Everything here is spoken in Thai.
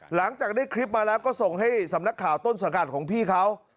หลังจากได้คลิปมาแล้วก็ส่งให้สำนักข่าวต้นสังกัดของพี่เขา